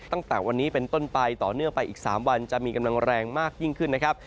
ตั้งแต่วันนี้เป็นต้นไปต่อเนื่องไปอีก๓วันจะมีกำลังแรงมากยิ่งขึ้นนะครับ